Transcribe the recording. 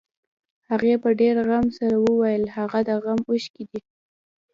هغې په ډېر غم سره وويل هغه د غم اوښکې دي.